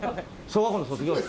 小学校の卒業式？